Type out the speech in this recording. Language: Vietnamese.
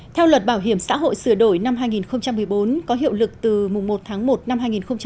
theo luật bảo hiểm xã hội sửa đổi năm hai nghìn một mươi bốn có hiệu lực từ một tháng một năm hai nghìn một mươi chín